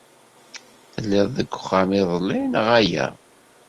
Telliḍ deg uxxam iḍelli, neɣ ala?